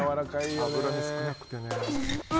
脂身少なくてね。